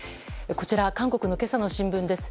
こちら、韓国の今朝の新聞です。